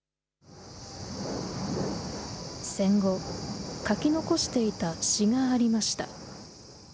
戦後、書き残していた詩がありました。